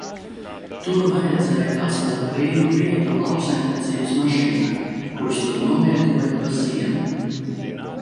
Tur vajadzēja atstāt brīvu vietu lauksaimniecības mašīnām, kuras tur novietoja pa ziemu.